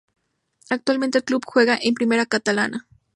Actualmente el club juega en Primera Catalana.